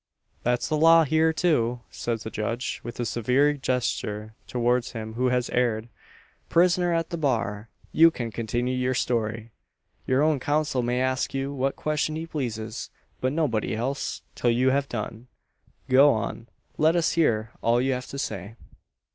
"That's the law here, too," says the judge, with a severe gesture towards him who has erred. "Prisoner at the bar! you can continue your story. Your own counsel may ask you what question he pleases; but nobody else, till you have done. Go on! Let us hear all you have to say."